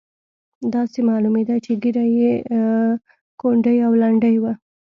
داسې معلومېده چې ږیره یې کونډۍ او لنډۍ وه.